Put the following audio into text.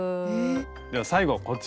では最後こちらです。